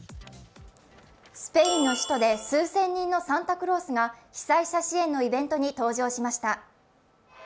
スペインの首都で数千人のサンタクロースが被災者支援のイベントに登場しました。